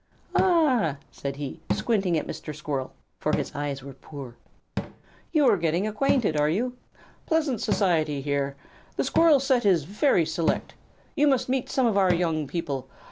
"Ah!" said he, squinting at Mr. Red Squirrel, for his eyes were poor. "You are getting acquainted, are you? Pleasant society here. The Squirrel set is very select. You must meet some of our young people.